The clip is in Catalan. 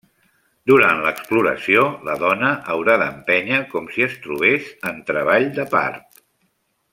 Durant l'exploració la dona haurà d'empènyer com si es trobés en treball de part.